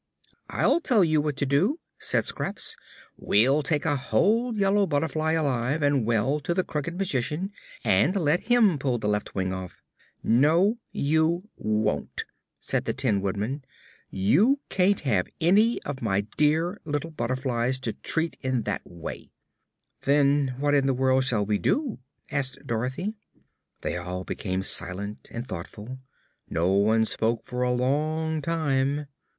"I'll tell you what to do," said Scraps. "We'll take a whole yellow butterfly, alive and well, to the Crooked Magician, and let him pull the left wing off." "No, you won't," said the Tin Woodman. "You can't have one of my dear little butterflies to treat in that way." "Then what in the world shall we do?" asked Dorothy. They all became silent and thoughtful. No one spoke for a long time.